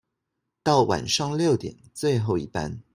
到晚上六點最後一班